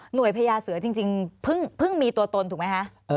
พญาเสือจริงเพิ่งมีตัวตนถูกไหมคะ